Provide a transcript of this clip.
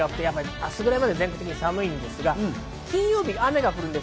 明日ぐらいまで全国的に寒いですが、金曜日、雨が降ります。